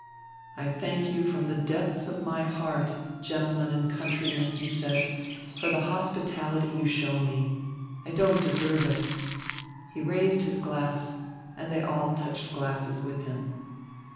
"I thank you from the depths of my heart, gentlemen and countrymen," he said, "for the hospitality you show me. I don't deserve it." He raised his glass, and they all touched glasses with him.